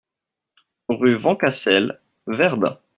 Rue Vancassel, Verdun